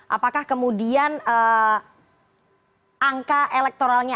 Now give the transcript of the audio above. apakah kemudian angka elektroniknya